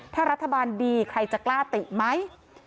ถ้ารัฐบาลดีใครจะกล้าติไหม